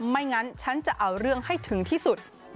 ไม่งั้นฉันจะเอาเรื่องให้ถึงที่สุด